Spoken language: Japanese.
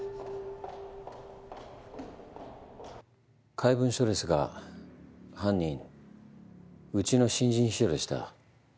怪文書ですが犯人うちの新人秘書でした。